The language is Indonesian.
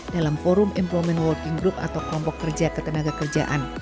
dalam forum employment working group atau kompok kerja ketenagakerjaan